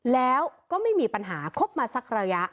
แล้วก็ไม่มีปัญหาคบมาสักระยะ